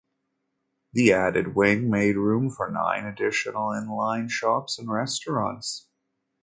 The added wing made room for nine additional in-line shops and restaurants.